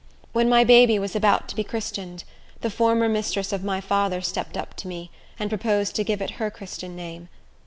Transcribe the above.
When my baby was about to be christened, the former mistress of my father stepped up to me, and proposed to give it her Christian name.